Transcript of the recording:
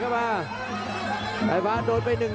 โอ่กิกกลายเอง